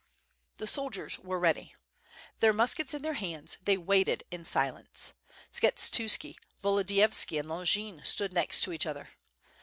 The soldiers were ready; their muskets in their hands they waited in silence. Skshetuski, Volodiyovski and Longin stood next to each other.